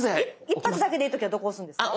一発だけでいい時はどこ押すんですか？